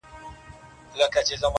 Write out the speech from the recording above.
نه مي غاښ ته سي ډبري ټينگېدلاى،